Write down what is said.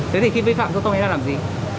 thế thì khi vi phạm giao thông anh đang làm gì